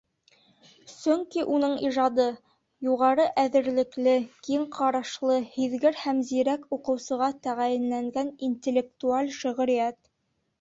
Сөнки уның ижады — юғары әҙерлекле, киң ҡарашлы, һиҙгер һәм зирәк уҡыусыға тәғәйенләнгән интеллектуаль шиғриәт.